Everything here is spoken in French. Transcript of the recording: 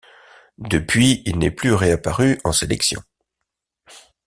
Depuis il n'est plus réapparu en sélection.